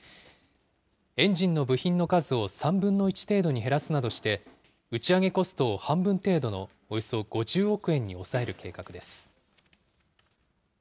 エンジンの部品の数を３分の１程度に減らすなどして、打ち上げコストを半分程度のおよそ５０億円に抑える計画です。